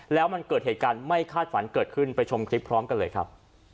แล้วมันเกิดเหตุการณ์ไม่คาดฝันเกิดขึ้นไปชมคลิปพร้อมกันเลยครับ